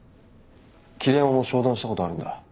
桐山も商談したことあるんだ？